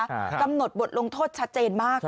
กำหนดบทลงโทษชัดเจนมาก